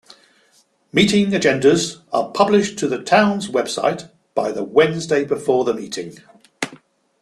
Meeting agendas are published to the Town's website by the Wednesday before the meeting.